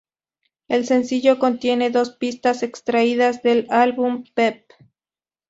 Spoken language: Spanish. El sencillo contiene dos pistas extraídas del álbum "Peep".